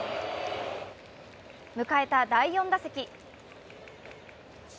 迎えた第４打席。